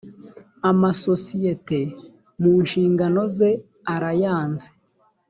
amasosiyete mu nshingano ze arayanze